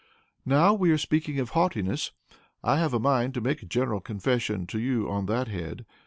"Now we are speaking of haughtiness, I have a mind to make a general confession to you on that head.